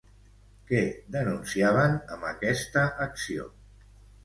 Què denunciaven amb aquesta acció?